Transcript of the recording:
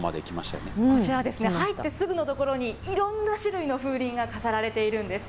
こちらはですね、入ってすぐの所に、いろんな種類の風鈴が飾られているんです。